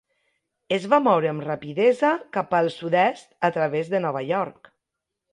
Es va moure amb rapidesa cap al sud-est a través de Nova York.